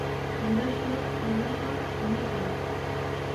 Gurasoak nolakoak, umeak halakoak.